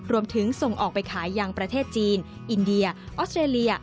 ส่งออกไปขายอย่างประเทศจีนอินเดียออสเตรเลีย